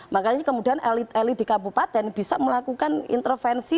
makanya kemudian elit elit di kabupaten bisa melakukan intervensi